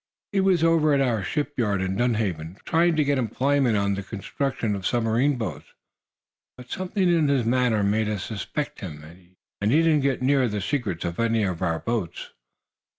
He was over at our shipyard in Dunhaven, trying to get employment on the construction of submarine boats. But something in his manner made us suspect him, and he didn't get near the secrets of any of our boats."